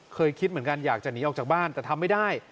คิดเหมือนกันอยากจะหนีออกจากบ้านแต่ทำไม่ได้